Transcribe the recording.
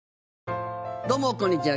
どうもこんにちは。